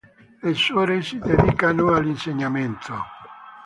Le suore si dedicano all'insegnamento.